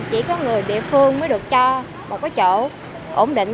chỉ có người địa phương mới được cho một cái chỗ ổn định